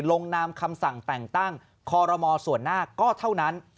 ลงนามคำสั่งแต่งตั้งคอรมอส่วนหน้าก็เท่านั้น